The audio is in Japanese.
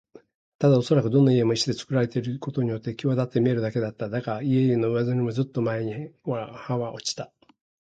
ただおそらくどの家も石でつくられているということによってきわだって見えるだけだった。だが、家々の上塗りもずっと前にはげ落ち、